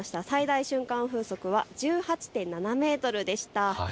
最大瞬間風速は１８．７メートルでした。